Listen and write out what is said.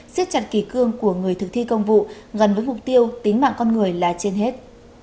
xiết chặt kỳ cương của người thực thi công vụ gần với mục tiêu tính mạng con người là trên hết